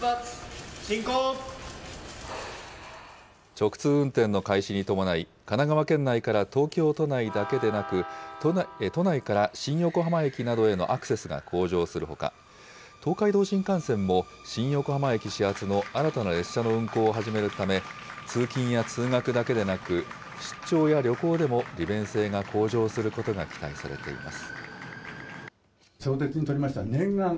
直通運転に開始に伴い、神奈川県内から東京都内だけでなく、都内から新横浜駅などへのアクセスが向上するほか、東海道新幹線も新横浜駅始発の新たな列車の運行を始めるため、通勤や通学だけでなく、出張や旅行でも利便性が向上することが期待されています。